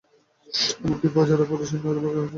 এমন কি, প্রজারা পর্যন্ত প্রতিশােধ লইবার জন্য ব্যস্ত হইল।